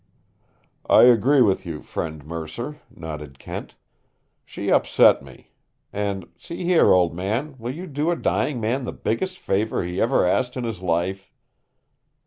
"I agree with you, friend Mercer," nodded Kent. "She upset me. And see here, old man! will you do a dying man the biggest favor he ever asked in his life?"